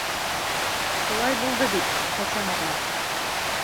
Шулай булды бит, Хәсән ағай?..